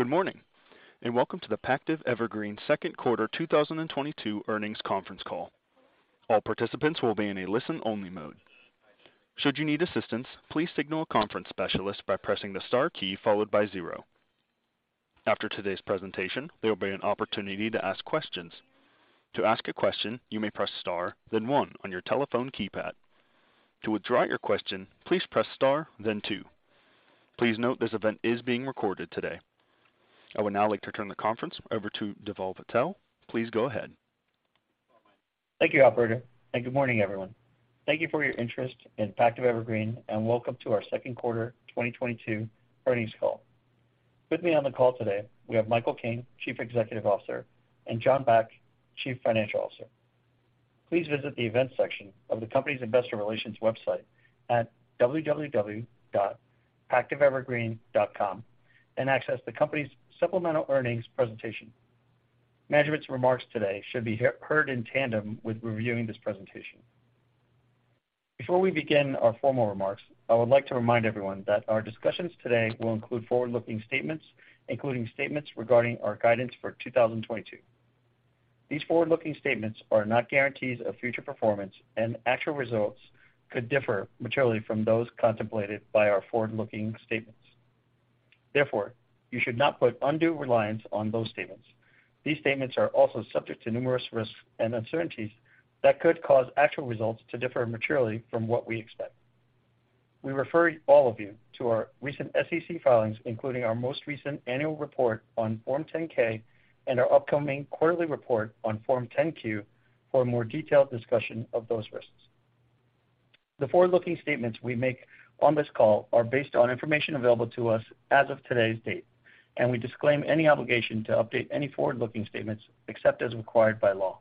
Good morning, and welcome to the Pactiv Evergreen second quarter 2022 earnings conference call. All participants will be in a listen-only mode. Should you need assistance, please signal a conference specialist by pressing the star key followed by zero. After today's presentation, there will be an opportunity to ask questions. To ask a question, you may press star, then one on your telephone keypad. To withdraw your question, please press star then two. Please note this event is being recorded today. I would now like to turn the conference over to Dhaval Patel. Please go ahead. Thank you, operator, and good morning, everyone. Thank you for your interest in Pactiv Evergreen and welcome to our second quarter 2022 earnings call. With me on the call today, we have Michael King, Chief Executive Officer, and Jon Baksht, Chief Financial Officer. Please visit the events section of the company's investor relations website at www.pactivevergreen.com and access the company's supplemental earnings presentation. Management's remarks today should be heard in tandem with reviewing this presentation. Before we begin our formal remarks, I would like to remind everyone that our discussions today will include forward-looking statements, including statements regarding our guidance for 2022. These forward-looking statements are not guarantees of future performance, and actual results could differ materially from those contemplated by our forward-looking statements. Therefore, you should not put undue reliance on those statements. These statements are also subject to numerous risks and uncertainties that could cause actual results to differ materially from what we expect. We refer all of you to our recent SEC filings, including our most recent annual report on Form 10-K and our upcoming quarterly report on Form 10-Q for a more detailed discussion of those risks. The forward-looking statements we make on this call are based on information available to us as of today's date, and we disclaim any obligation to update any forward-looking statements except as required by law.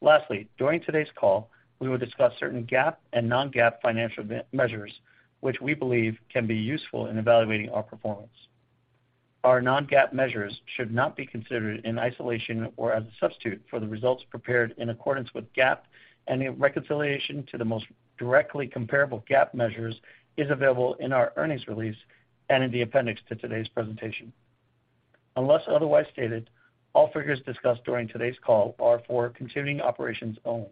Lastly, during today's call, we will discuss certain GAAP and non-GAAP financial measures, which we believe can be useful in evaluating our performance. Our non-GAAP measures should not be considered in isolation or as a substitute for the results prepared in accordance with GAAP, and a reconciliation to the most directly comparable GAAP measures is available in our earnings release and in the appendix to today's presentation. Unless otherwise stated, all figures discussed during today's call are for continuing operations only.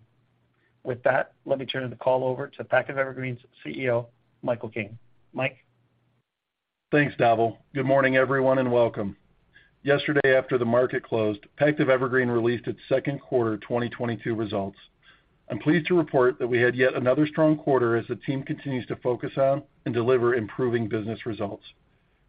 With that, let me turn the call over to Pactiv Evergreen's CEO, Michael King. Mike. Thanks, Dhaval. Good morning, everyone, and welcome. Yesterday, after the market closed, Pactiv Evergreen released its second quarter 2022 results. I'm pleased to report that we had yet another strong quarter as the team continues to focus on and deliver improving business results.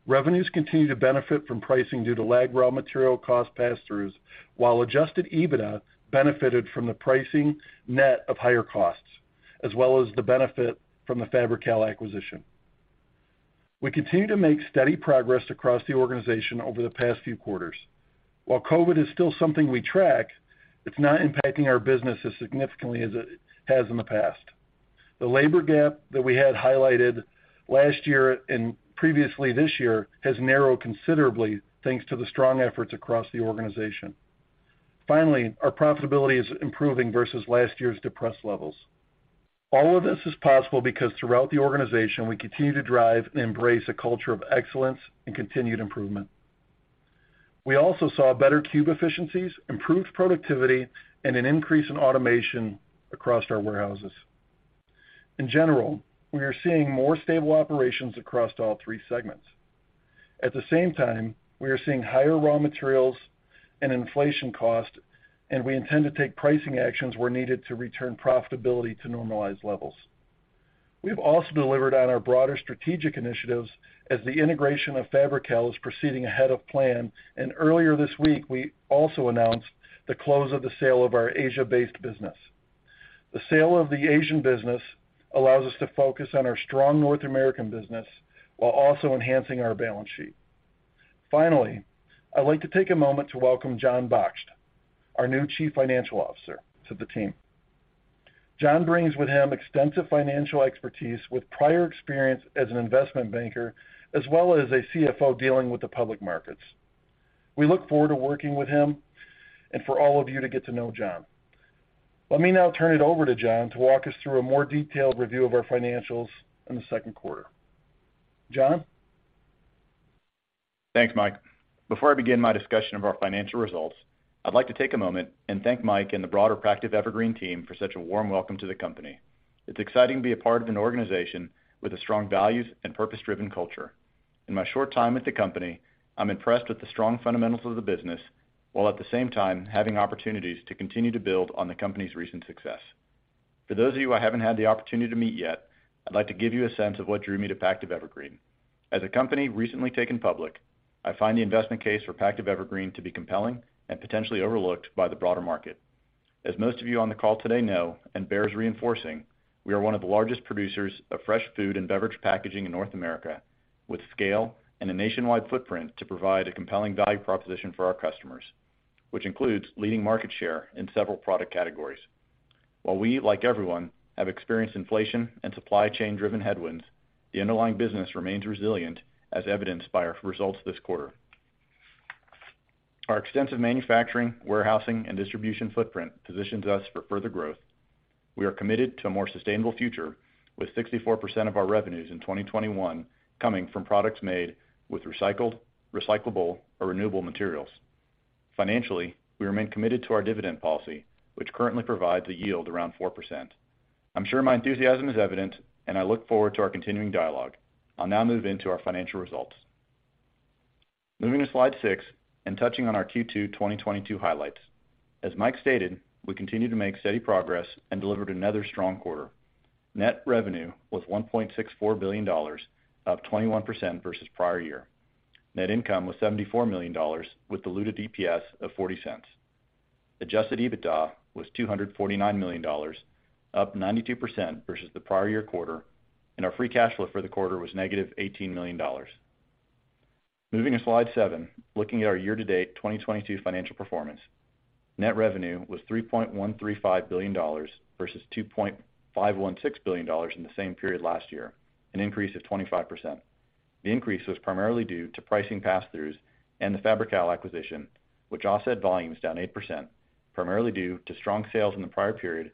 Revenues continue to benefit from pricing due to lagged raw material cost pass-throughs, while adjusted EBITDA benefited from the pricing net of higher costs, as well as the benefit from the Fabri-Kal acquisition. We continue to make steady progress across the organization over the past few quarters. While COVID is still something we track, it's not impacting our business as significantly as it has in the past. The labor gap that we had highlighted last year and previously this year has narrowed considerably thanks to the strong efforts across the organization. Finally, our profitability is improving versus last year's depressed levels. All of this is possible because throughout the organization, we continue to drive and embrace a culture of excellence and continued improvement. We also saw better cube efficiencies, improved productivity, and an increase in automation across our warehouses. In general, we are seeing more stable operations across all three segments. At the same time, we are seeing higher raw materials and inflation cost, and we intend to take pricing actions where needed to return profitability to normalized levels. We've also delivered on our broader strategic initiatives as the integration of Fabri-Kal is proceeding ahead of plan. Earlier this week, we also announced the close of the sale of our Asia-based business. The sale of the Asian business allows us to focus on our strong North American business while also enhancing our balance sheet. Finally, I'd like to take a moment to welcome Jon Baksht, our new Chief Financial Officer, to the team. Jon brings with him extensive financial expertise with prior experience as an investment banker, as well as a CFO dealing with the public markets. We look forward to working with him and for all of you to get to know Jon. Let me now turn it over to Jon to walk us through a more detailed review of our financials in the second quarter. Jon? Thanks, Mike. Before I begin my discussion of our financial results, I'd like to take a moment and thank Mike and the broader Pactiv Evergreen team for such a warm welcome to the company. It's exciting to be a part of an organization with a strong values and purpose-driven culture. In my short time at the company, I'm impressed with the strong fundamentals of the business while at the same time having opportunities to continue to build on the company's recent success. For those of you I haven't had the opportunity to meet yet, I'd like to give you a sense of what drew me to Pactiv Evergreen. As a company recently taken public, I find the investment case for Pactiv Evergreen to be compelling and potentially overlooked by the broader market. As most of you on the call today know, it bears reinforcing, we are one of the largest producers of fresh food and beverage packaging in North America with scale and a nationwide footprint to provide a compelling value proposition for our customers, which includes leading market share in several product categories. While we, like everyone, have experienced inflation and supply chain-driven headwinds, the underlying business remains resilient as evidenced by our results this quarter. Our extensive manufacturing, warehousing, and distribution footprint positions us for further growth. We are committed to a more sustainable future, with 64% of our revenues in 2021 coming from products made with recycled, recyclable, or renewable materials. Financially, we remain committed to our dividend policy, which currently provides a yield around 4%. I'm sure my enthusiasm is evident, and I look forward to our continuing dialogue. I'll now move into our financial results. Moving to slide six and touching on our Q2 2022 highlights. As Mike stated, we continue to make steady progress and delivered another strong quarter. Net revenue was $1.64 billion, up 21% versus prior year. Net income was $74 million, with diluted EPS of $0.40. Adjusted EBITDA was $249 million, up 92% versus the prior year quarter, and our free cash flow for the quarter was -$18 million. Moving to slide seven, looking at our year-to-date 2022 financial performance. Net revenue was $3.135 billion versus $2.516 billion in the same period last year, an increase of 25%. The increase was primarily due to pricing pass-throughs and the Fabri-Kal acquisition, which offset volume was down 8%, primarily due to strong sales in the prior period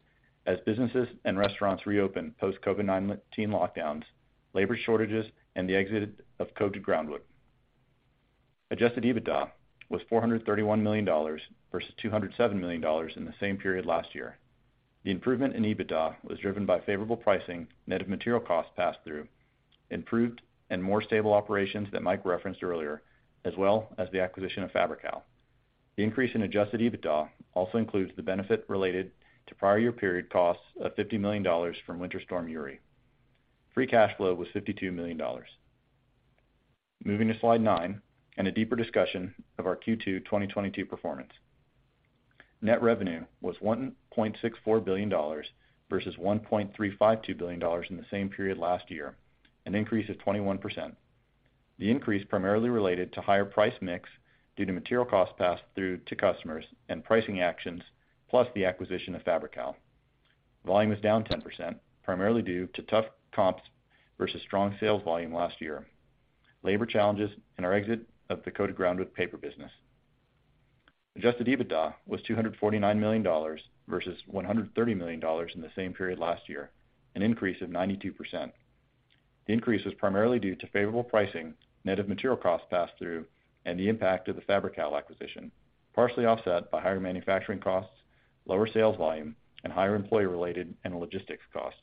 as businesses and restaurants reopened post COVID-19 lockdowns, labor shortages, and the exit of coated groundwood. Adjusted EBITDA was $431 million versus $207 million in the same period last year. The improvement in EBITDA was driven by favorable pricing, net of material costs passed through, improved and more stable operations that Mike referenced earlier, as well as the acquisition of Fabri-Kal. The increase in adjusted EBITDA also includes the benefit related to prior year period costs of $50 million from Winter Storm Uri. Free cash flow was $52 million. Moving to slide nine and a deeper discussion of our Q2 2022 performance. Net revenue was $1.64 billion versus $1.352 billion in the same period last year, an increase of 21%. The increase primarily related to higher price mix due to material costs passed through to customers and pricing actions, plus the acquisition of Fabri-Kal. Volume was down 10%, primarily due to tough comps versus strong sales volume last year, labor challenges, and our exit of the coated groundwood paper business. Adjusted EBITDA was $249 million versus $130 million in the same period last year, an increase of 92%. The increase was primarily due to favorable pricing, net of material costs passed through, and the impact of the Fabri-Kal acquisition, partially offset by higher manufacturing costs, lower sales volume, and higher employee-related and logistics costs.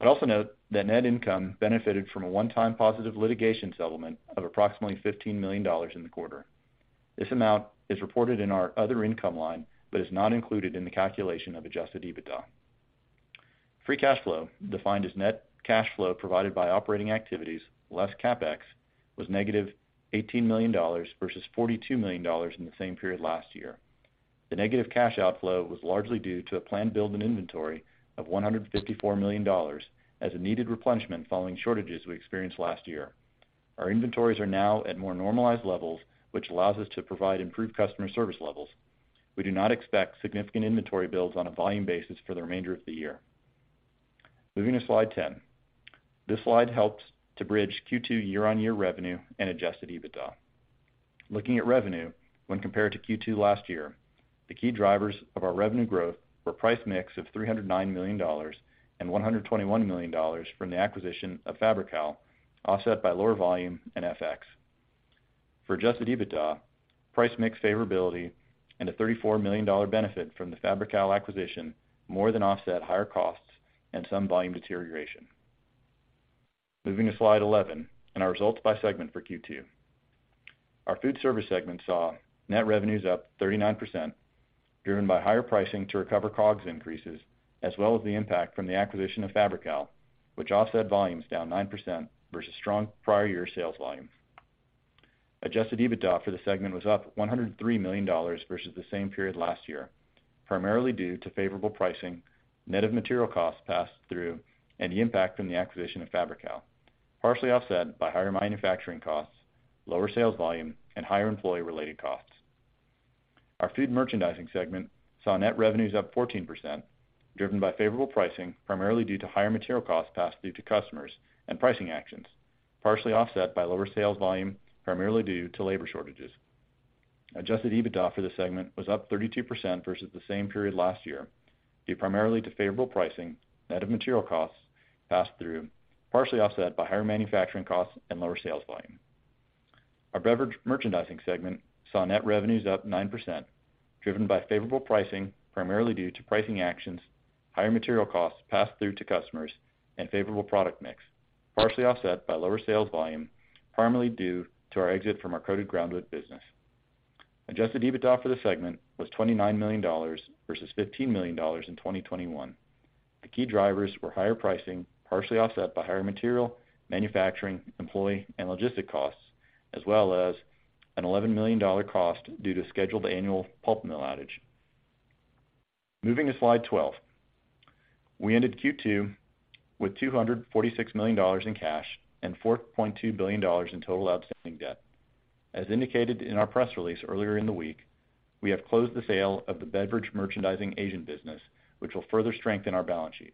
I'd also note that net income benefited from a one-time positive litigation settlement of approximately $15 million in the quarter. This amount is reported in our other income line, but is not included in the calculation of adjusted EBITDA. Free cash flow, defined as net cash flow provided by operating activities less CapEx, was negative $18 million versus $42 million in the same period last year. The negative cash outflow was largely due to a planned build in inventory of $154 million as a needed replenishment following shortages we experienced last year. Our inventories are now at more normalized levels, which allows us to provide improved customer service levels. We do not expect significant inventory builds on a volume basis for the remainder of the year. Moving to slide 10. This slide helps to bridge Q2 year-on-year revenue and adjusted EBITDA. Looking at revenue when compared to Q2 last year, the key drivers of our revenue growth were price mix of $309 million and $121 million from the acquisition of Fabri-Kal, offset by lower volume and FX. For adjusted EBITDA, price mix favorability and a $34 million benefit from the Fabri-Kal acquisition more than offset higher costs and some volume deterioration. Moving to slide 11 and our results by segment for Q2. Our food service segment saw net revenues up 39%, driven by higher pricing to recover COGS increases, as well as the impact from the acquisition of Fabri-Kal, which offset volume was down 9% versus strong prior year sales volume. Adjusted EBITDA for the segment was up $103 million versus the same period last year, primarily due to favorable pricing, net of material costs passed through, and the impact from the acquisition of Fabri-Kal, partially offset by higher manufacturing costs, lower sales volume, and higher employee-related costs. Our food merchandising segment saw net revenues up 14%, driven by favorable pricing, primarily due to higher material costs passed through to customers and pricing actions, partially offset by lower sales volume, primarily due to labor shortages. Adjusted EBITDA for this segment was up 32% versus the same period last year due primarily to favorable pricing, net of material costs passed through, partially offset by higher manufacturing costs and lower sales volume. Our Beverage Merchandising segment saw net revenues up 9%, driven by favorable pricing, primarily due to pricing actions, higher material costs passed through to customers, and favorable product mix, partially offset by lower sales volume, primarily due to our exit from our coated groundwood business. Adjusted EBITDA for the segment was $29 million versus $15 million in 2021. The key drivers were higher pricing, partially offset by higher material, manufacturing, employee, and logistic costs, as well as an $11 million cost due to scheduled annual pulp mill outage. Moving to slide 12. We ended Q2 with $246 million in cash and $4.2 billion in total outstanding debt. As indicated in our press release earlier in the week. We have closed the sale of the Beverage Merchandising business, which will further strengthen our balance sheet.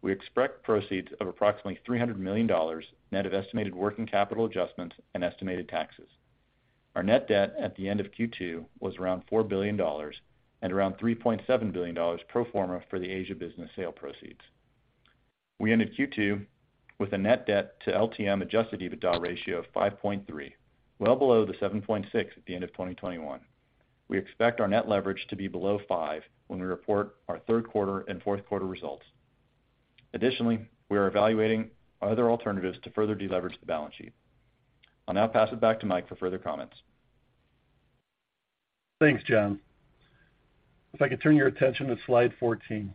We expect proceeds of approximately $300 million net of estimated working capital adjustments and estimated taxes. Our net debt at the end of Q2 was around $4 billion and around $3.7 billion pro forma for the Asia business sale proceeds. We ended Q2 with a net debt to LTM adjusted EBITDA ratio of 5.3, well below the 7.6 at the end of 2021. We expect our net leverage to be below 5 when we report our third quarter and fourth quarter results. Additionally, we are evaluating other alternatives to further deleverage the balance sheet. I'll now pass it back to Mike for further comments. Thanks, Jon. If I could turn your attention to slide 14.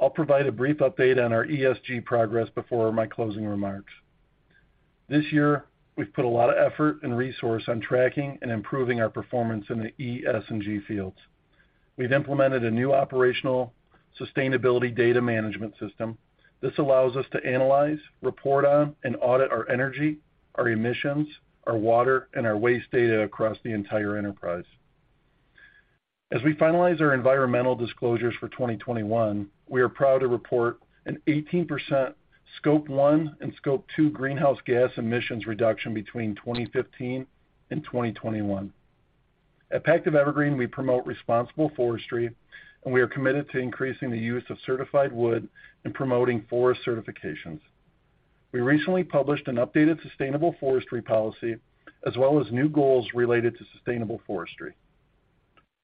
I'll provide a brief update on our ESG progress before my closing remarks. This year, we've put a lot of effort and resource on tracking and improving our performance in the ESG fields. We've implemented a new operational sustainability data management system. This allows us to analyze, report on, and audit our energy, our emissions, our water, and our waste data across the entire enterprise. As we finalize our environmental disclosures for 2021, we are proud to report an 18% Scope 1 and Scope 2 greenhouse gas emissions reduction between 2015 and 2021. At Pactiv Evergreen, we promote responsible forestry, and we are committed to increasing the use of certified wood and promoting forest certifications. We recently published an updated sustainable forestry policy as well as new goals related to sustainable forestry.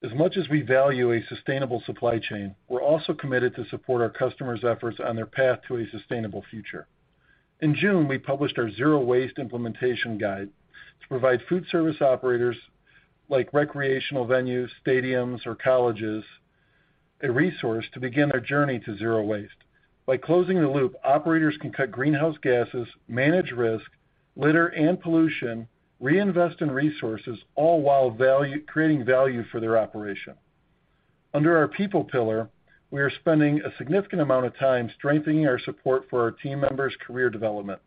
As much as we value a sustainable supply chain, we're also committed to support our customers' efforts on their path to a sustainable future. In June, we published our zero waste implementation guide to provide food service operators like recreational venues, stadiums, or colleges, a resource to begin their journey to zero waste. By closing the loop, operators can cut greenhouse gases, manage risk, litter, and pollution, reinvest in resources, all while creating value for their operation. Under our people pillar, we are spending a significant amount of time strengthening our support for our team members' career development.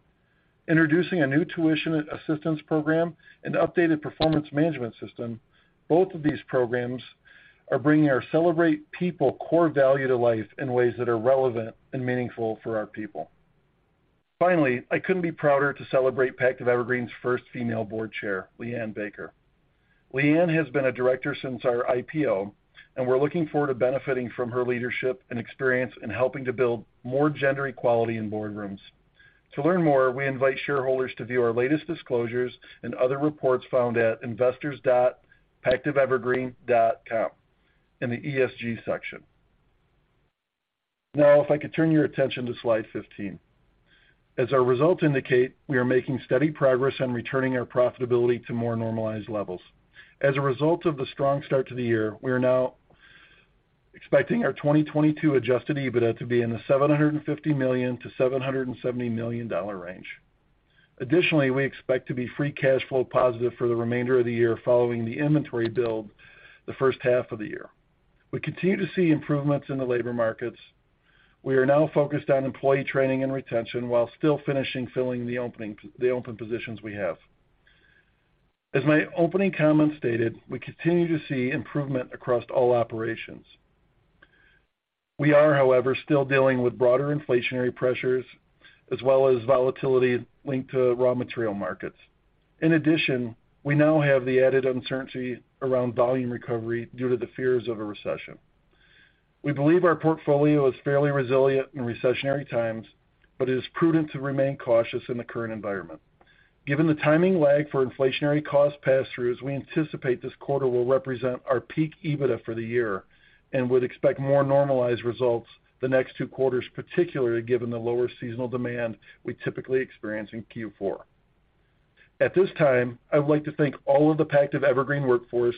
Introducing a new tuition assistance program and updated performance management system, both of these programs are bringing our celebrate people core value to life in ways that are relevant and meaningful for our people. Finally, I couldn't be prouder to celebrate Pactiv Evergreen's first female board chair, LeighAnne Baker. LeighAnne has been a director since our IPO, and we're looking forward to benefiting from her leadership and experience in helping to build more gender equality in boardrooms. To learn more, we invite shareholders to view our latest disclosures and other reports found at investors.pactiv evergreen.com in the ESG section. Now, if I could turn your attention to slide 15. As our results indicate, we are making steady progress on returning our profitability to more normalized levels. As a result of the strong start to the year, we are now expecting our 2022 adjusted EBITDA to be in the $750 million-$770 million range. Additionally, we expect to be free cash flow positive for the remainder of the year following the inventory build the first half of the year. We continue to see improvements in the labor markets. We are now focused on employee training and retention while still finishing filling the open positions we have. As my opening comment stated, we continue to see improvement across all operations. We are, however, still dealing with broader inflationary pressures as well as volatility linked to raw material markets. In addition, we now have the added uncertainty around volume recovery due to the fears of a recession. We believe our portfolio is fairly resilient in recessionary times, but it is prudent to remain cautious in the current environment. Given the timing lag for inflationary cost pass-throughs, we anticipate this quarter will represent our peak EBITDA for the year and would expect more normalized results the next two quarters, particularly given the lower seasonal demand we typically experience in Q4. At this time, I would like to thank all of the Pactiv Evergreen workforce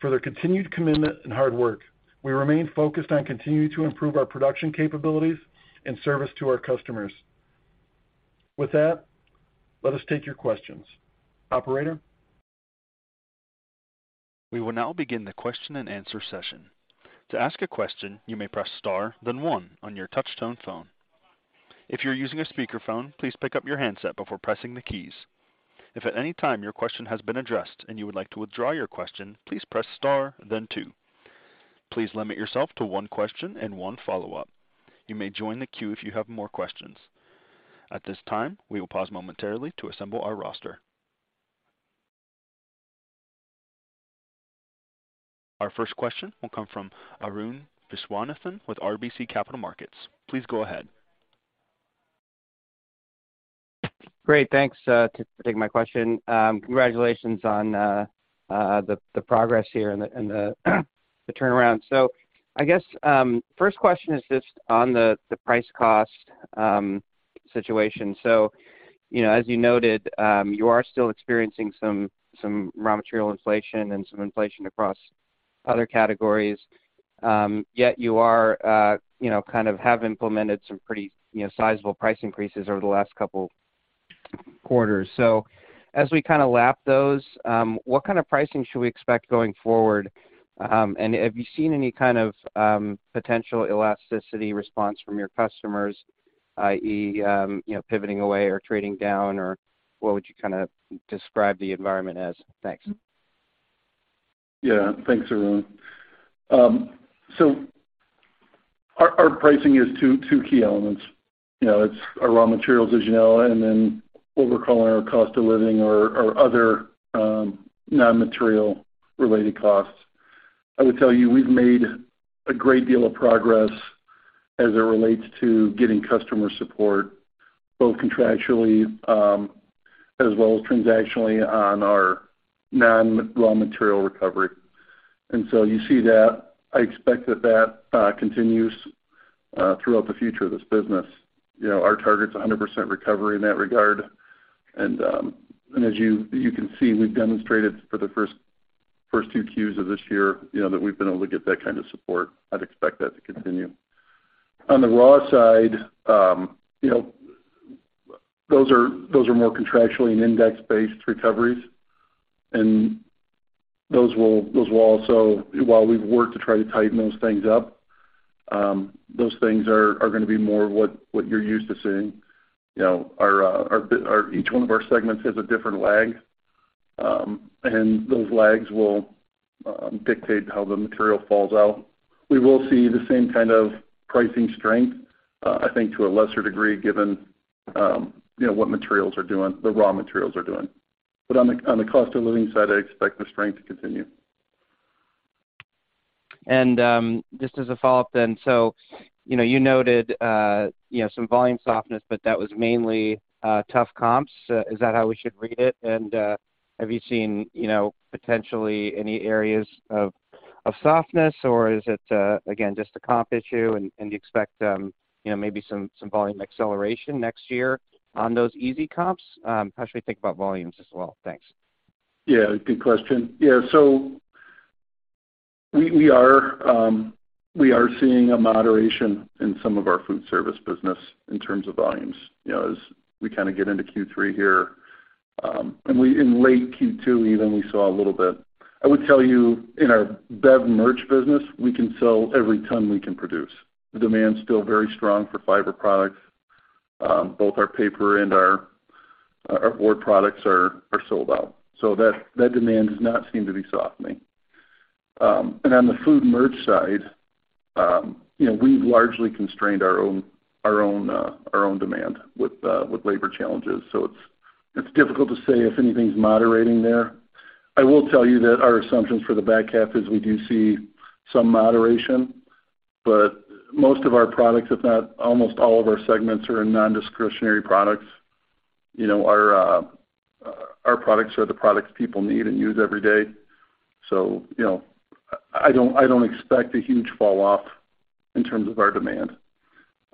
for their continued commitment and hard work. We remain focused on continuing to improve our production capabilities and service to our customers. With that, let us take your questions. Operator? We will now begin the question and answer session. To ask a question, you may press star, then one on your touchtone phone. If you're using a speakerphone, please pick up your handset before pressing the keys. If at any time your question has been addressed and you would like to withdraw your question, please press star then two. Please limit yourself to one question and one follow-up. You may join the queue if you have more questions. At this time, we will pause momentarily to assemble our roster. Our first question will come from Arun Viswanathan with RBC Capital Markets. Please go ahead. Great. Thanks for taking my question. Congratulations on the progress here and the turnaround. I guess, first question is just on the price cost situation. You know, as you noted, you are still experiencing some raw material inflation and some inflation across other categories. Yet you are, you know, kind of have implemented some pretty, you know, sizable price increases over the last couple quarters. As we kind of lap those, what kind of pricing should we expect going forward? And have you seen any kind of potential elasticity response from your customers? i.e., you know, pivoting away or trading down or what would you kind of describe the environment as? Thanks. Yeah. Thanks, Arun. Our pricing is two key elements. You know, it's our raw materials, as you know, and then what we're calling our cost of living or other non-material related costs. I would tell you, we've made a great deal of progress as it relates to getting customer support, both contractually as well as transactionally on our non-raw material recovery. You see that. I expect that continues throughout the future of this business. You know, our target's 100% recovery in that regard. As you can see, we've demonstrated for the first 2Qs of this year, you know, that we've been able to get that kind of support. I'd expect that to continue. On the raw side, you know, those are more contractually and index-based recoveries, and those will also, while we've worked to try to tighten those things up, those things are gonna be more what you're used to seeing. You know, each one of our segments has a different lag, and those lags will dictate how the material falls out. We will see the same kind of pricing strength, I think to a lesser degree, given you know, what the raw materials are doing. But on the cost of living side, I expect the strength to continue. Just as a follow-up then, so you know, you noted you know, some volume softness, but that was mainly tough comps. Is that how we should read it? Have you seen you know, potentially any areas of softness, or is it again, just a comp issue, and you expect you know, maybe some volume acceleration next year on those easy comps? How should we think about volumes as well? Thanks. Yeah, good question. Yeah. We are seeing a moderation in some of our food service business in terms of volumes, you know, as we kind of get into Q3 here. In late Q2 even, we saw a little bit. I would tell you in our bev merch business, we can sell every ton we can produce. The demand's still very strong for fiber products. Both our paper and our board products are sold out. That demand does not seem to be softening. On the food merch side, you know, we've largely constrained our own demand with labor challenges. It's difficult to say if anything's moderating there. I will tell you that our assumptions for the back half is we do see some moderation, but most of our products, if not almost all of our segments, are in non-discretionary products. You know, our products are the products people need and use every day. You know, I don't expect a huge fall off in terms of our demand.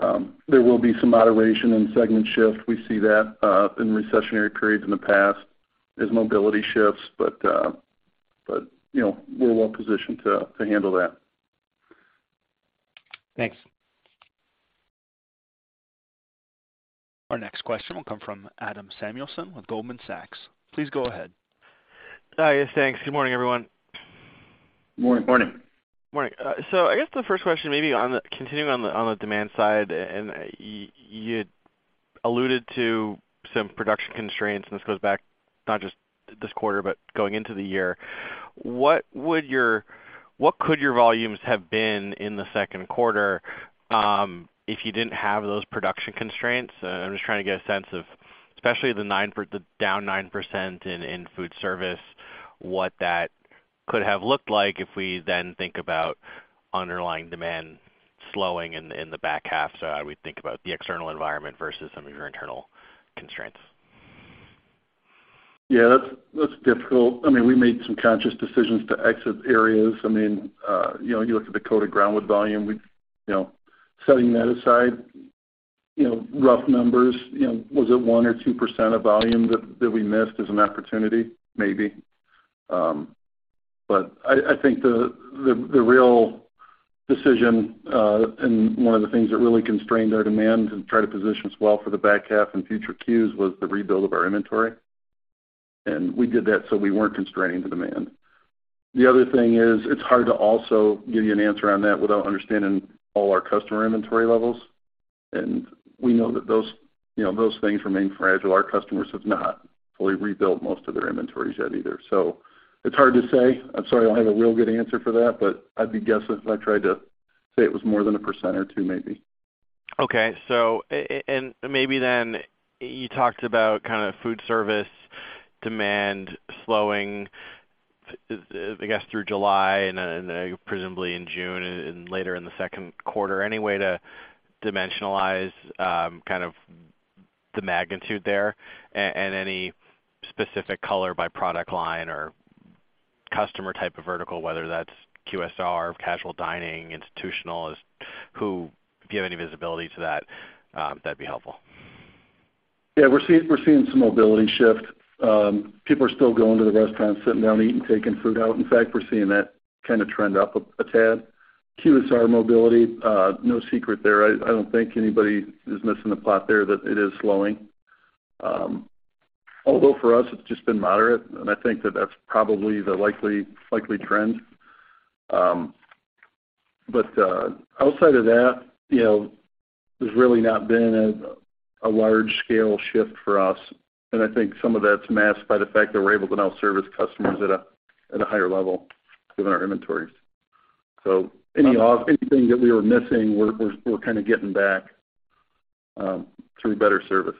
There will be some moderation and segment shift. We see that in recessionary periods in the past as mobility shifts, but you know, we're well positioned to handle that. Thanks. Our next question will come from Adam Samuelson with Goldman Sachs. Please go ahead. Hi. Yes, thanks. Good morning, everyone. Morning. Morning. Morning. I guess the first question may be on continuing on the demand side, and you alluded to some production constraints, and this goes back not just this quarter, but going into the year. What could your volumes have been in the second quarter, if you didn't have those production constraints? I'm just trying to get a sense of, especially the down 9% in food service, what that could have looked like if we then think about underlying demand slowing in the back half. How we think about the external environment versus some of your internal constraints. Yeah. That's difficult. I mean, we made some conscious decisions to exit areas. I mean, you know, you look at coated groundwood volume, setting that aside, you know, rough numbers, you know, was it 1% or 2% of volume that we missed as an opportunity? Maybe. I think the real decision, and one of the things that really constrained our demand and try to position us well for the back half and future Qs was the rebuild of our inventory. We did that, so we weren't constraining the demand. The other thing is it's hard to also give you an answer on that without understanding all our customer inventory levels. We know that those, you know, those things remain fragile. Our customers have not fully rebuilt most of their inventories yet either. It's hard to say. I'm sorry I don't have a real good answer for that, but I'd be guessing if I tried to say it was more than 1% or 2% maybe. Okay. And maybe then you talked about kind of food service demand slowing, I guess, through July and presumably in June and later in the second quarter. Any way to dimensionalize kind of the magnitude there and any specific color by product line or customer type of vertical, whether that's QSR, casual dining, institutional. If you have any visibility to that'd be helpful. Yeah. We're seeing some mobility shift. People are still going to the restaurant, sitting down, eating, taking food out. In fact, we're seeing that kind of trend up a tad. QSR mobility, no secret there. I don't think anybody is missing the plot there that it is slowing. Although for us, it's just been moderate, and I think that's probably the likely trend. Outside of that, you know, there's really not been a large-scale shift for us, and I think some of that's masked by the fact that we're able to now service customers at a higher level within our inventories. Anything that we were missing, we're kinda getting back through better service.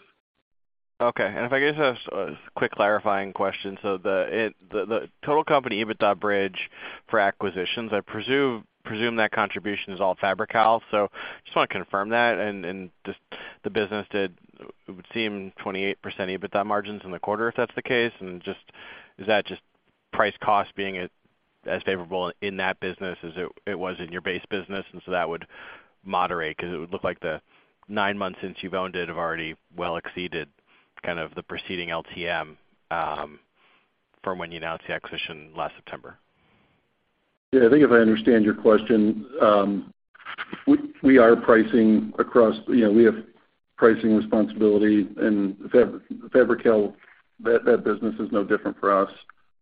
Okay. If I could just ask a quick clarifying question. The total company EBITDA bridge for acquisitions, I presume that contribution is all Fabri-Kal. Just wanna confirm that and just the business did, it would seem 28% EBITDA margins in the quarter, if that's the case. Just, is that just price cost being as favorable in that business as it was in your base business? That would moderate 'cause it would look like the nine months since you've owned it have already well exceeded kind of the preceding LTM from when you announced the acquisition last September. Yeah. I think if I understand your question, we are pricing across. You know, we have pricing responsibility, and Fabri-Kal, that business is no different for us.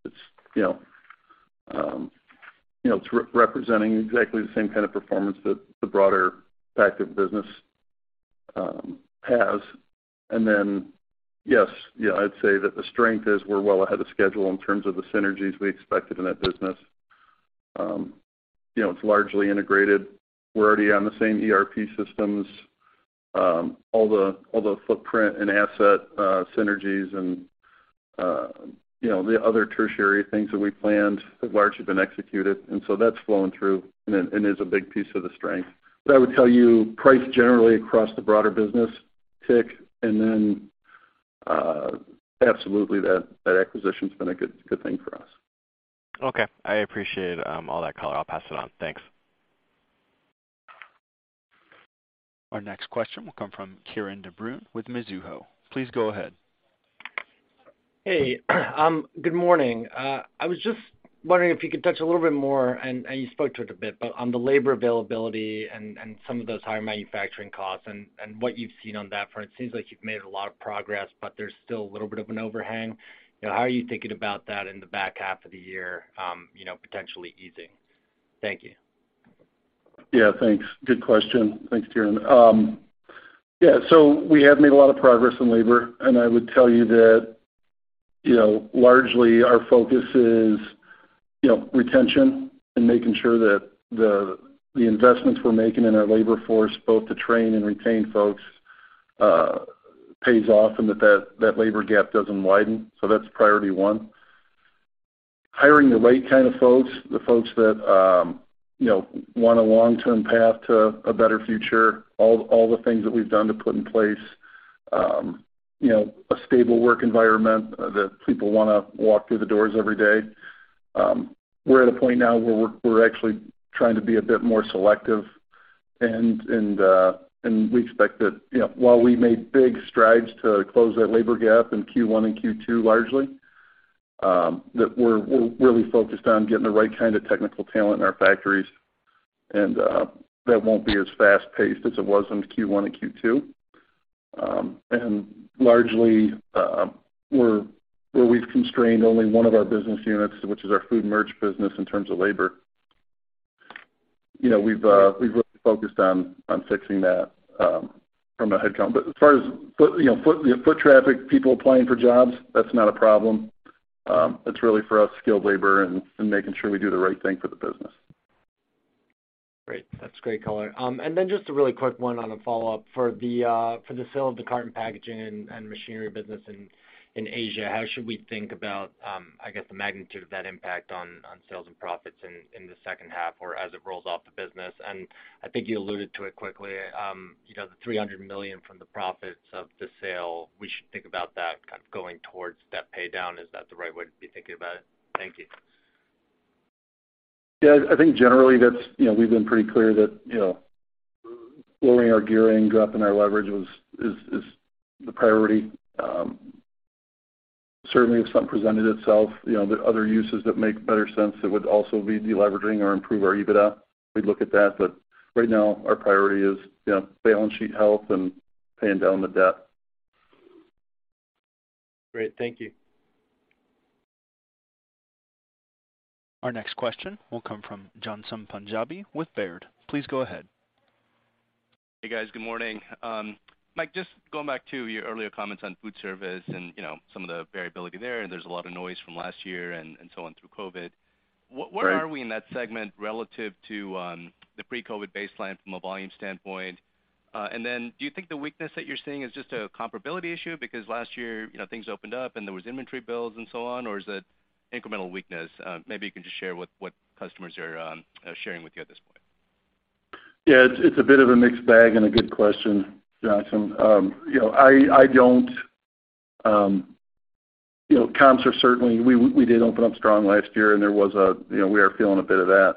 It's, you know, you know, it's representing exactly the same kind of performance that the broader Pactiv business has. Yes, you know, I'd say that the strength is we're well ahead of schedule in terms of the synergies we expected in that business. You know, it's largely integrated. We're already on the same ERP systems. All the footprint and asset synergies and, you know, the other tertiary things that we planned have largely been executed, and so that's flowing through and is a big piece of the strength. I would tell you, pricing generally across the broader business ticked up, and then absolutely that acquisition's been a good thing for us. Okay. I appreciate all that color. I'll pass it on. Thanks. Our next question will come from Kieran de Brun with Mizuho. Please go ahead. Hey, good morning. I was just wondering if you could touch a little bit more, and you spoke to it a bit, but on the labor availability and some of those higher manufacturing costs and what you've seen on that front. It seems like you've made a lot of progress, but there's still a little bit of an overhang. You know, how are you thinking about that in the back half of the year, you know, potentially easing? Thank you. Yeah, thanks. Good question. Thanks, Kieran. Yeah, so we have made a lot of progress in labor, and I would tell you that, you know, largely our focus is, you know, retention and making sure that the investments we're making in our labor force, both to train and retain folks, pays off and that labor gap doesn't widen. That's priority one. Hiring the right kind of folks, the folks that, you know, want a long-term path to a better future, all the things that we've done to put in place, you know, a stable work environment that people wanna walk through the doors every day. We're at a point now where we're actually trying to be a bit more selective, and we expect that, you know, while we made big strides to close that labor gap in Q1 and Q2 largely, that we're really focused on getting the right kind of technical talent in our factories. That won't be as fast-paced as it was in Q1 and Q2. Largely, we're where we've constrained only one of our business units, which is our food merch business in terms of labor. You know, we've really focused on fixing that from a headcount. But as far as foot traffic, people applying for jobs, that's not a problem. It's really for us, skilled labor and making sure we do the right thing for the business. Great. That's great color. Then just a really quick one on a follow-up. For the sale of the carton packaging and machinery business in Asia, how should we think about, I guess the magnitude of that impact on sales and profits in the second half or as it rolls off the business? I think you alluded to it quickly. You know, the $300 million from the profits of the sale, we should think about that kind of going towards debt pay down. Is that the right way to be thinking about it? Thank you. Yeah. I think generally that's, you know, we've been pretty clear that, you know, lowering our gearing, dropping our leverage is the priority. Certainly if something presented itself, you know, the other uses that make better sense that would also be de-leveraging or improve our EBITDA, we'd look at that. But right now, our priority is, you know, balance sheet health and paying down the debt. Great. Thank you. Our next question will come from Ghansham Panjabi with Baird. Please go ahead. Hey, guys. Good morning. Mike, just going back to your earlier comments on food service and, you know, some of the variability there's a lot of noise from last year and so on through COVID. Right. Where are we in that segment relative to the pre-COVID baseline from a volume standpoint? Do you think the weakness that you're seeing is just a comparability issue because last year, you know, things opened up and there was inventory builds and so on, or is it incremental weakness? Maybe you can just share what customers are sharing with you at this point. Yeah. It's a bit of a mixed bag and a good question, Ghansham. You know, I don't. You know, comps are certainly we did open up strong last year and there was a you know we are feeling a bit of that.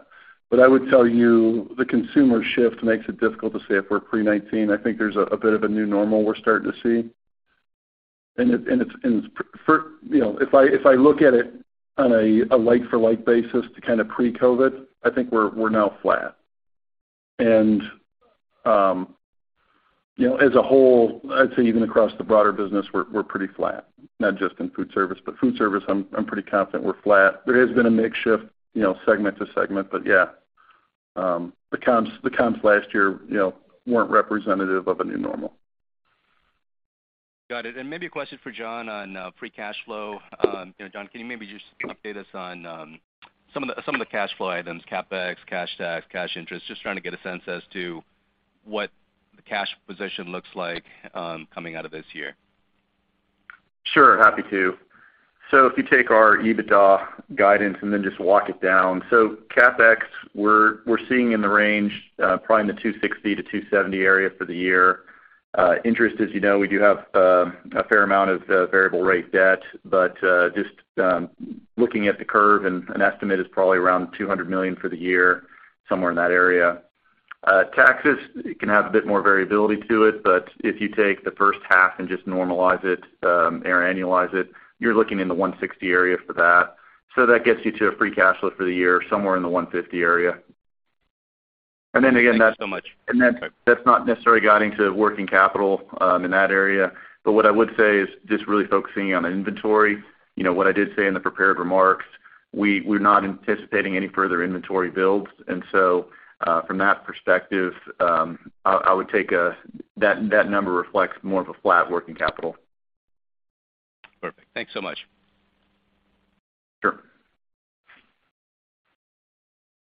I would tell you, the consumer shift makes it difficult to say if we're pre-nineteen. I think there's a bit of a new normal we're starting to see. You know, if I look at it on a like-for-like basis to kind of pre-COVID, I think we're now flat. You know, as a whole, I'd say even across the broader business, we're pretty flat, not just in food service. Food service, I'm pretty confident we're flat. There has been a mix shift, you know, segment to segment. Yeah, the comps last year, you know, weren't representative of a new normal. Got it. Maybe a question for Jon on free cash flow. You know, Jon, can you maybe just update us on some of the cash flow items, CapEx, cash tax, cash interest, just trying to get a sense as to what the cash position looks like coming out of this year. Sure. Happy to. If you take our EBITDA guidance and then just walk it down. CapEx, we're seeing in the range, probably in the $260 million-$270 million area for the year. Interest, as you know, we do have a fair amount of variable rate debt. But just looking at the curve and an estimate is probably around $200 million for the year, somewhere in that area. Taxes, it can have a bit more variability to it, but if you take the first half and just normalize it or annualize it, you're looking in the $160 million area for that. That gets you to a free cash flow for the year, somewhere in the $150 million area. Thank you so much. That's not necessarily guiding to working capital in that area. What I would say is just really focusing on inventory. You know what I did say in the prepared remarks, we're not anticipating any further inventory builds. From that perspective, I would take that number reflects more of a flat working capital. Perfect. Thanks so much. Sure.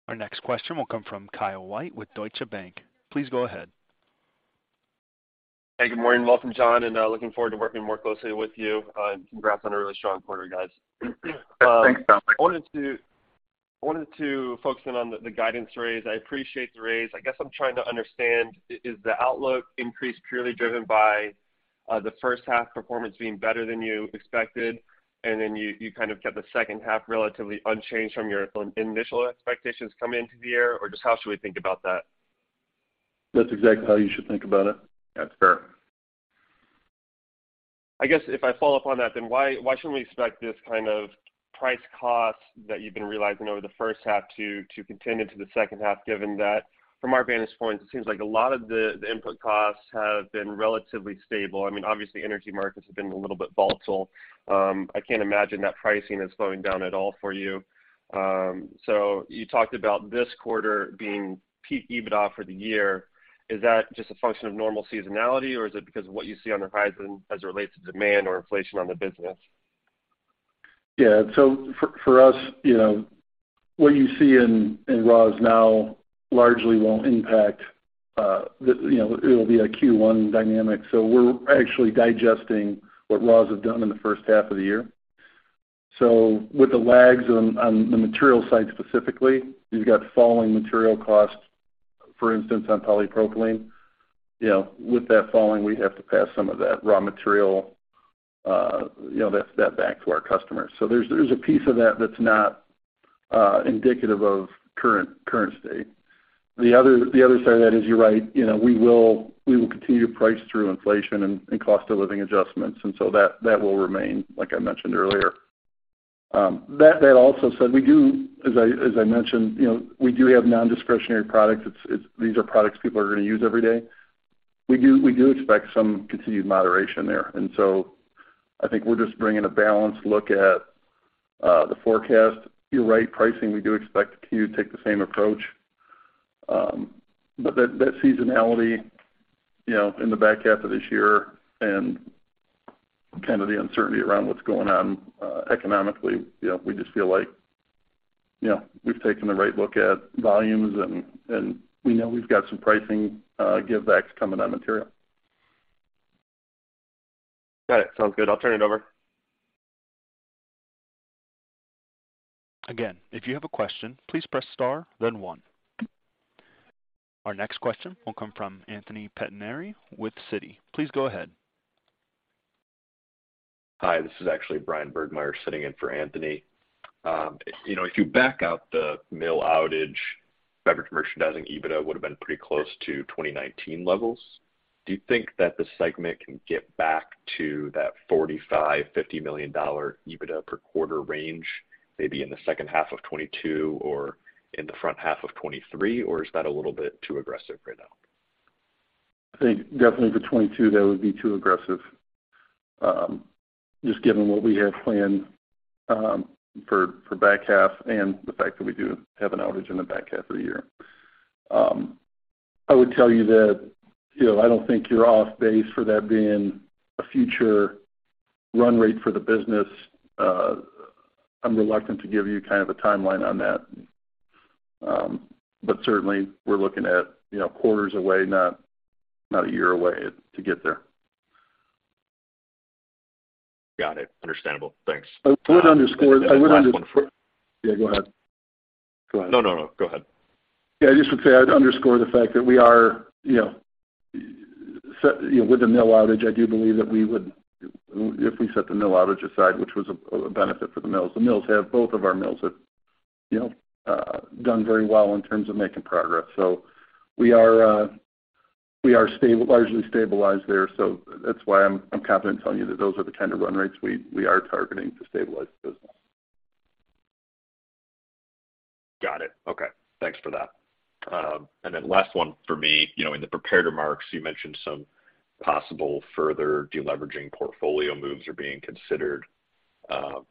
Our next question will come from Kyle White with Deutsche Bank. Please go ahead. Hey, good morning. Welcome, Jon, and looking forward to working more closely with you. Congrats on a really strong quarter, guys. Thanks, Kyle. I wanted to focus in on the guidance raise. I appreciate the raise. I guess I'm trying to understand is the outlook increase purely driven by the first half performance being better than you expected, and then you kind of kept the second half relatively unchanged from your initial expectations coming into the year? Or just how should we think about that? That's exactly how you should think about it. That's fair. I guess if I follow up on that, then why shouldn't we expect this kind of price cost that you've been realizing over the first half to continue to the second half, given that from our vantage point, it seems like a lot of the input costs have been relatively stable. I mean, obviously energy markets have been a little bit volatile. I can't imagine that pricing is slowing down at all for you. You talked about this quarter being peak EBITDA for the year. Is that just a function of normal seasonality, or is it because of what you see on the horizon as it relates to demand or inflation on the business? Yeah. For us, you know, what you see in raws now largely won't impact. You know, it'll be a Q1 dynamic. We're actually digesting what raws have done in the first half of the year. With the lags on the material side specifically, you've got falling material costs, for instance, on polypropylene. You know, with that falling, we have to pass some of that raw material back to our customers. There's a piece of that that's not indicative of current state. The other side of that is, you're right, you know, we will continue to price through inflation and cost of living adjustments, and so that will remain, like I mentioned earlier. That also said, as I mentioned, you know, we do have non-discretionary products. It's these are products people are gonna use every day. We expect some continued moderation there. I think we're just bringing a balanced look at the forecast. You're right, pricing, we do expect to take the same approach. That seasonality, you know, in the back half of this year and kind of the uncertainty around what's going on economically, you know, we just feel like, you know, we've taken the right look at volumes and we know we've got some pricing givebacks coming on material. Got it. Sounds good. I'll turn it over. Again, if you have a question, please press star then one. Our next question will come from Anthony Pettinari with Citi. Please go ahead. Hi, this is actually Bryan Burgmeier sitting in for Anthony. You know, if you back out the mill outage, Beverage Merchandising EBITDA would have been pretty close to 2019 levels. Do you think that the segment can get back to that $45 million-$50 million EBITDA per quarter range maybe in the second half of 2022 or in the first half of 2023, or is that a little bit too aggressive right now? I think definitely for 2022, that would be too aggressive, just given what we have planned for back half and the fact that we do have an outage in the back half of the year. I would tell you that, you know, I don't think you're off base for that being a future run rate for the business. I'm reluctant to give you kind of a timeline on that. Certainly we're looking at, you know, quarters away, not a year away to get there. Got it. Understandable. Thanks. I would underscore. One last one for Yeah, go ahead. No, no. Go ahead. Yeah, I just would say I'd underscore the fact that we are, you know, with the mill outage, I do believe that we would, if we set the mill outage aside, which was a benefit for the mills. Both of our mills have, you know, done very well in terms of making progress. We are largely stabilized there, so that's why I'm confident telling you that those are the kind of run rates we are targeting to stabilize the business. Got it. Okay, thanks for that. Then last one for me. You know, in the prepared remarks, you mentioned some possible further de-leveraging portfolio moves are being considered.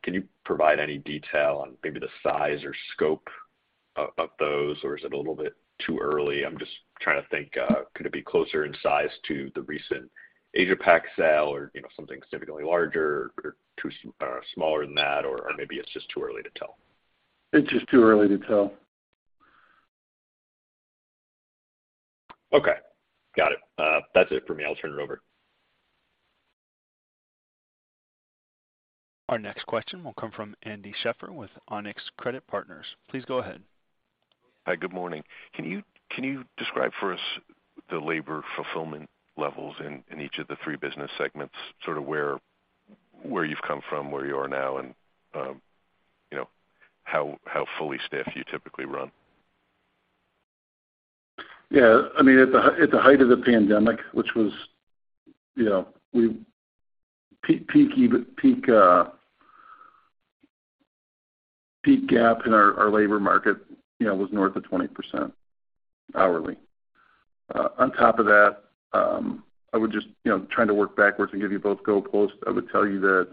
Can you provide any detail on maybe the size or scope of those? Is it a little bit too early? I'm just trying to think, could it be closer in size to the recent Asia Pac sale or, you know, something significantly larger or smaller than that? Maybe it's just too early to tell. It's just too early to tell. Okay, got it. That's it for me. I'll turn it over. Our next question will come from Andy Scheffer with Onex Credit Partners. Please go ahead. Hi, good morning. Can you describe for us the labor fulfillment levels in each of the three business segments, sort of where you've come from, where you are now, and you know, how fully staffed you typically run? I mean, at the height of the pandemic, peak gap in our labor market was north of 20% hourly. On top of that, trying to work backwards and give you a backdrop, I would tell you that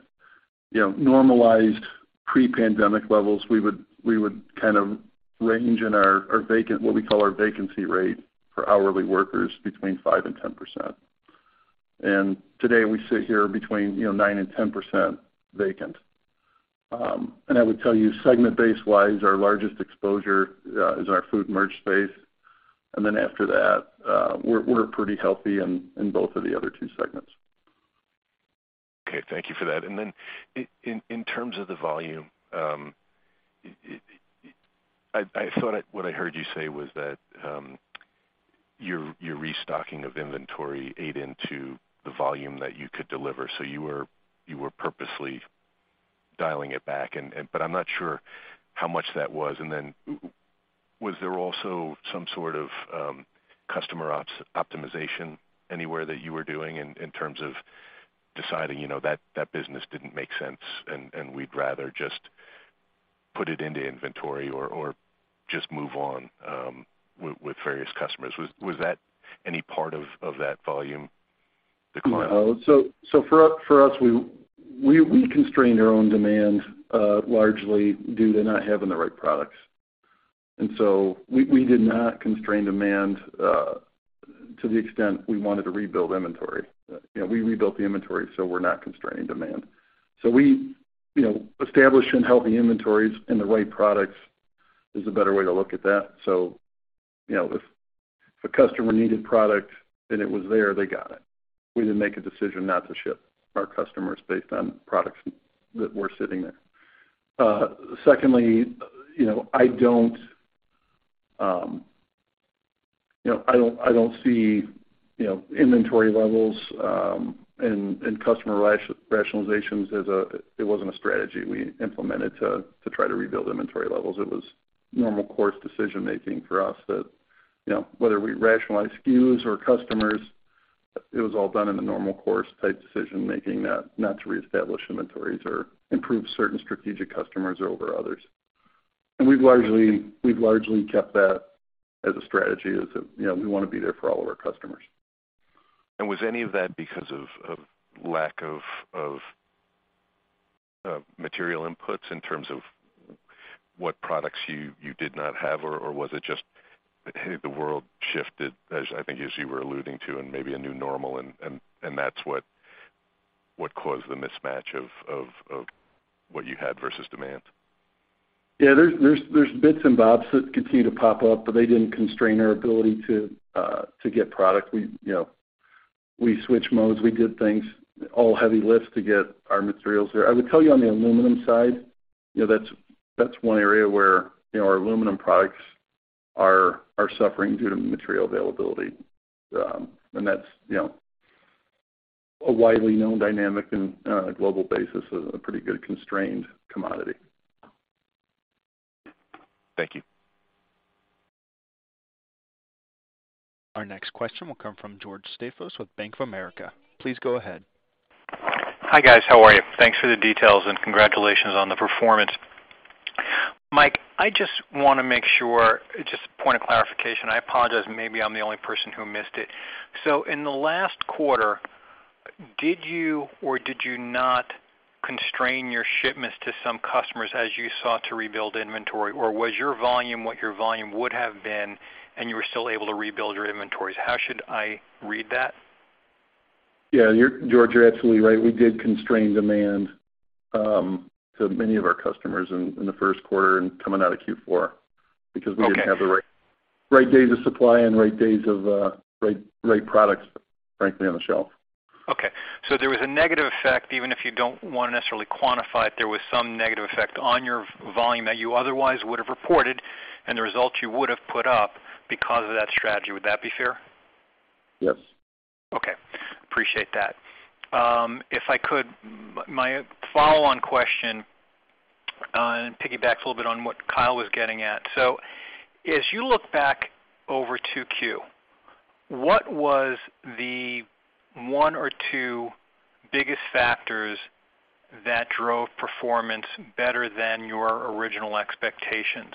normalized pre-pandemic levels, we would kind of range in our vacancy rate for hourly workers between 5% and 10%. Today, we sit here between 9% and 10% vacant. I would tell you segment base wise, our largest exposure is our food merch space. Then after that, we're pretty healthy in both of the other two segments. Okay, thank you for that. In terms of the volume, I thought what I heard you say was that your restocking of inventory ate into the volume that you could deliver. You were purposely dialing it back. I'm not sure how much that was. Was there also some sort of customer optimization anywhere that you were doing in terms of deciding, you know, that that business didn't make sense, and we'd rather just put it into inventory or just move on with various customers? Was that any part of that volume decline? No. For us, we constrained our own demand largely due to not having the right products. We did not constrain demand to the extent we wanted to rebuild inventory. You know, we rebuilt the inventory, so we're not constraining demand. You know, establishing healthy inventories and the right products is a better way to look at that. You know, if a customer needed product and it was there, they got it. We didn't make a decision not to ship our customers based on products that were sitting there. Secondly, you know, I don't see inventory levels and customer rationalizations. It wasn't a strategy we implemented to try to rebuild inventory levels. It was normal course decision-making for us that, you know, whether we rationalize SKUs or customers, it was all done in a normal course type decision-making, not to reestablish inventories or improve certain strategic customers over others. We've largely kept that as a strategy, as, you know, we wanna be there for all of our customers. Was any of that because of lack of material inputs in terms of what products you did not have? Or was it just the world shifted, as I think as you were alluding to, and maybe a new normal and that's what caused the mismatch of what you had versus demand? Yeah. There's bits and bobs that continue to pop up, but they didn't constrain our ability to get product. We, you know, we switched modes. We did things, all heavy lifts to get our materials there. I would tell you on the aluminum side, you know, that's one area where, you know, our aluminum products are suffering due to material availability. That's, you know, a widely known dynamic on a global basis, a pretty good constrained commodity. Thank you. Our next question will come from George Staphos with Bank of America. Please go ahead. Hi, guys. How are you? Thanks for the details and congratulations on the performance. Mike, I just wanna make sure, just a point of clarification. I apologize, maybe I'm the only person who missed it. In the last quarter, did you or did you not constrain your shipments to some customers as you sought to rebuild inventory? Or was your volume what your volume would have been and you were still able to rebuild your inventories? How should I read that? Yeah. You're right, George. You're absolutely right. We did constrain demand to many of our customers in the first quarter and coming out of Q4 because we didn't have the right days of supply and the right products, frankly, on the shelf. Okay. There was a negative effect, even if you don't wanna necessarily quantify it, there was some negative effect on your volume that you otherwise would have reported and the results you would have put up because of that strategy. Would that be fair? Yes. Okay. Appreciate that. If I could, my follow-on question, and it piggybacks a little bit on what Kyle was getting at. As you look back over 2Q, what was the one or two biggest factors that drove performance better than your original expectations?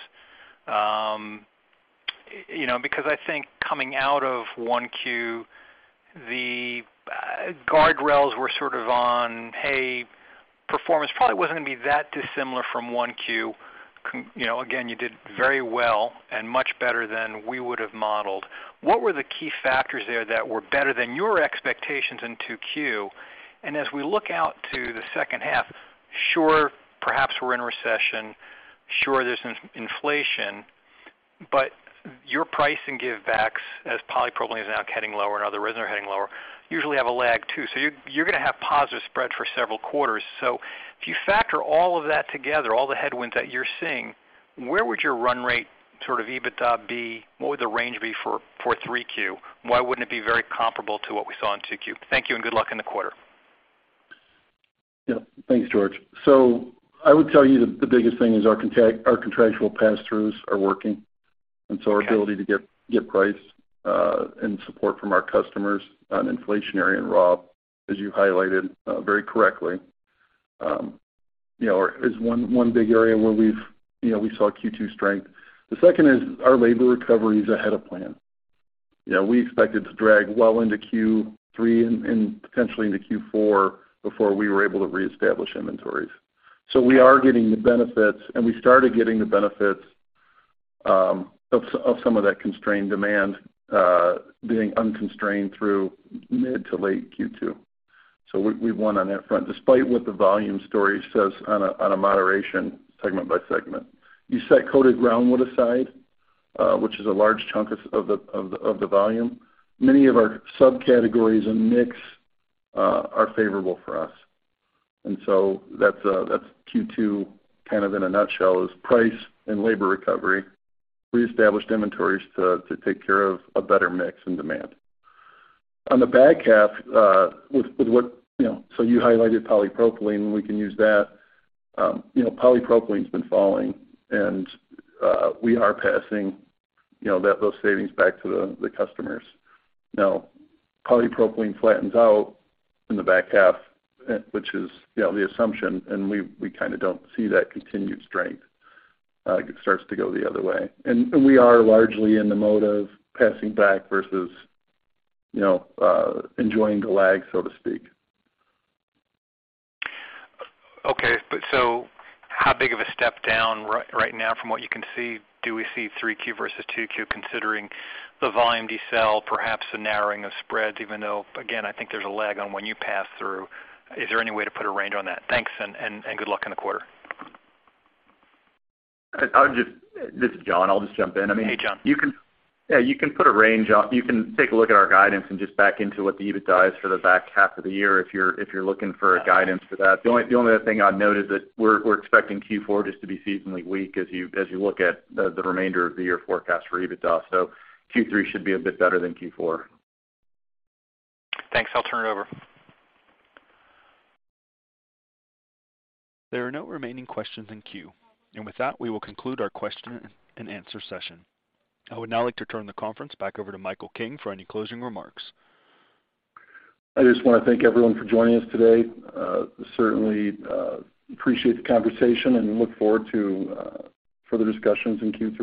You know, because I think coming out of 1Q, the guardrails were sort of on, hey, performance probably wasn't gonna be that dissimilar from 1Q. You know, again, you did very well and much better than we would have modeled. What were the key factors there that were better than your expectations in 2Q? As we look out to the second half, sure, perhaps we're in a recession, sure, there's inflation, but your pricing and givebacks as polypropylene is now heading lower and other resins are heading lower, usually have a lag too. You're gonna have positive spread for several quarters. If you factor all of that together, all the headwinds that you're seeing, where would your run rate sort of EBITDA be? What would the range be for 3Q? Why wouldn't it be very comparable to what we saw in 2Q? Thank you, and good luck in the quarter. Yeah. Thanks, George. I would tell you the biggest thing is our contractual pass-throughs are working. Our ability to get price and support from our customers on inflationary and raw, as you highlighted very correctly, you know, is one big area where we've you know we saw Q2 strength. The second is our labor recovery is ahead of plan. You know, we expected to drag well into Q3 and potentially into Q4 before we were able to reestablish inventories. We are getting the benefits, and we started getting the benefits of some of that constrained demand being unconstrained through mid to late Q2. We won on that front, despite what the volume story says on a moderation segment by segment. You set coated groundwood aside, which is a large chunk of the volume. Many of our subcategories and mix are favorable for us. That's Q2 kind of in a nutshell, is price and labor recovery. Reestablished inventories to take care of a better mix in demand. On the back half, with what you know, you highlighted polypropylene, we can use that. You know, polypropylene has been falling and we are passing you know, those savings back to the customers. Now, polypropylene flattens out in the back half, which is you know, the assumption, and we kinda don't see that continued strength, it starts to go the other way. We are largely in the mode of passing back versus, you know, enjoying the lag, so to speak. Okay. How big of a step down right now from what you can see? Do we see 3Q versus 2Q, considering the volume decel, perhaps a narrowing of spreads, even though, again, I think there's a lag on when you pass through. Is there any way to put a range on that? Thanks, and good luck in the quarter. This is Jon. I'll just jump in. I mean. Hey, Jon. You can take a look at our guidance and just back into what the EBITDA is for the back half of the year if you're looking for a guidance for that. The only other thing I'd note is that we're expecting Q4 just to be seasonally weak as you look at the remainder of the year forecast for EBITDA. Q3 should be a bit better than Q4. Thanks. I'll turn it over. There are no remaining questions in queue. With that, we will conclude our question and answer session. I would now like to turn the conference back over to Michael King for any closing remarks. I just wanna thank everyone for joining us today. Certainly appreciate the conversation and look forward to further discussions in Q3.